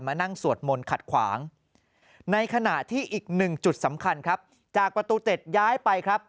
นั่งสวดมนต์ขัดขวางในขณะที่อีกหนึ่งจุดสำคัญครับจากประตู๗ย้ายไปครับ